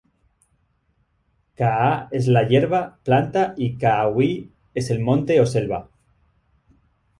Ka’a es la Yerba, planta y ka’aguy es el monte o selva.